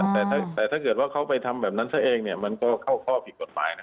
แต่ถ้าเกิดว่าเขาไปทำแบบนั้นซะเองเนี่ยมันก็เข้าข้อผิดกฎหมายนะ